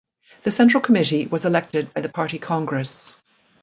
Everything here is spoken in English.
The Central Committee was elected by the party congress.